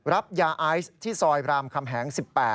รับยาไอซ์ที่ซอยรามคำแหง๑๘